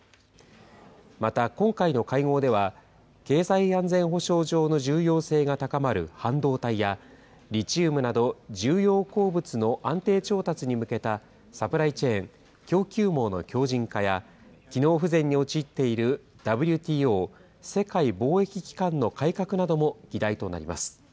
また、今回の会合では、経済安全保障上の重要性が高まる半導体や、リチウムなど、重要鉱物の安定調達に向けたサプライチェーン・供給網の強じん化や、機能不全に陥っているＷＴＯ・世界貿易機関の改革なども議題となります。